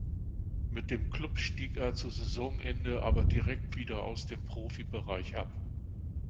Mit dem Klub stieg er zu Saisonende aber direkt wieder aus dem Profibereich ab.